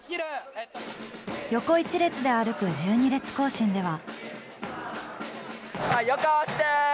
横一列で歩く１２列行進では。